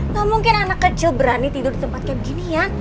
gak mungkin anak kecil berani tidur di tempat kayak begini ya